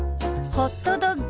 「ホットドッグ」。